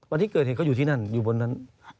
วันที่เกิดเหตุเขาอยู่ที่นั่นอยู่บนนั้น